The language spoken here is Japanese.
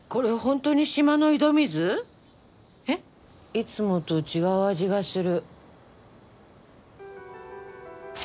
いつもと違う味がする。